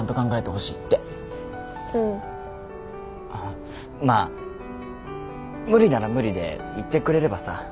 あっまあ無理なら無理で言ってくれればさ